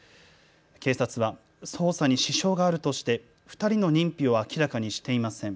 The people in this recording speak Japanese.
警察は捜査に支障があるとして２人の認否を明らかにしていません。